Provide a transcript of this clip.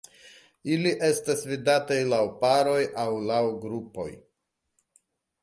Ili estas vidataj laŭ paroj aŭ laŭ grupoj.